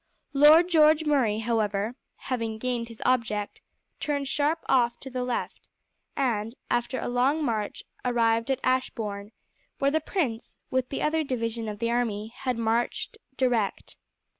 Lord George Murray, however, having gained his object, turned sharp off to the left, and after a long march arrived at Ashborne, where the prince, with the other division of the army, had marched direct.